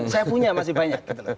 saya punya masih banyak